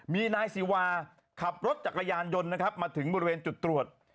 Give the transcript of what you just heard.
มีนายศิวาขับรถจักรยานยนต์นะครับมาถึงบริเวณจุดตรวจ